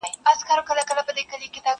چي اعلان به مو جګړه را میداني کړه!.